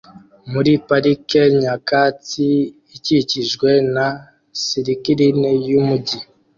muri parike nyakatsi ikikijwe na skyline yumujyi